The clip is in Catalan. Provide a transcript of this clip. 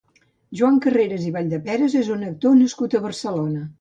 Joan Carreras i Valldeperes és un actor nascut a Barcelona.